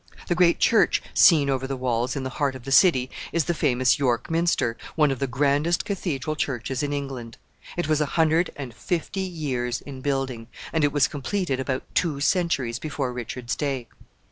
The great church seen over the walls, in the heart of the city, is the famous York minster, one of the grandest Cathedral churches in England. It was a hundred and fifty years in building, and it was completed about two centuries before Richard's day.